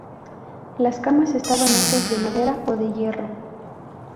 Las camas estaban hechas de madera o de hierro.